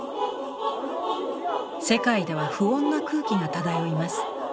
世界では不穏な空気が漂います。